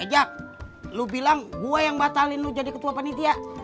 ajak lo bilang gue yang batalin lo jadi ketua panitia